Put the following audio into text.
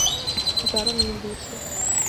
ہزاروں میل دور سے۔